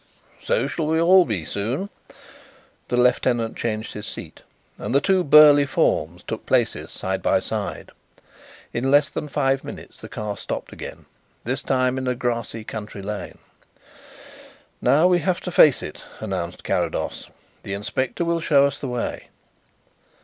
"So shall we all be soon." The lieutenant changed his seat and the two burly forms took places side by side. In less than five minutes the car stopped again, this time in a grassy country lane. "Now we have to face it," announced Carrados. "The inspector will show us the way."